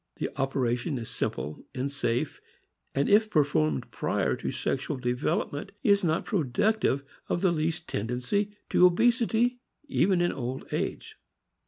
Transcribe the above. The operation is simple and safe, and if performed prior to sexual devel opment is not productive of the least tendency to obesity, even in old age.